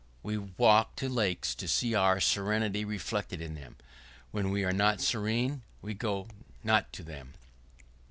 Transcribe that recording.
We walk to lakes to see our serenity reflected in them; when we are not serene, we go not to them.